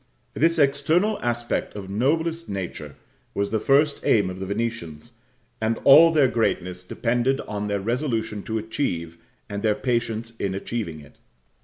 This external aspect of noblest nature was the first aim of the Venetians, and all their greatness depended on their resolution to achieve, and their patience in achieving it.